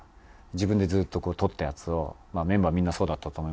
自分でずっと録ったやつをメンバーみんなそうだったと思いますけど。